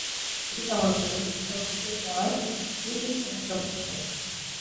এটি তামার উপর অতি নির্ভর হয়ে পড়ায় দ্রুতই সমস্যার মুখে পড়ে।